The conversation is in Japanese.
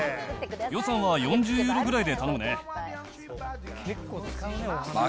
予算は４０ユーロくらいで頼むね。